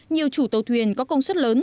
nhiều chủ tàu thuyền có công suất lớn